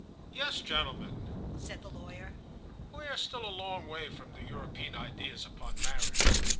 "Yes, gentlemen," said the lawyer, "we are still a long way from the European ideas upon marriage.